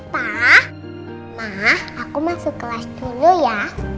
pak aku masuk kelas dulu ya